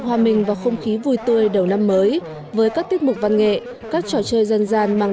hòa mình vào không khí vui tươi đầu năm mới với các tiết mục văn nghệ các trò chơi dân gian mang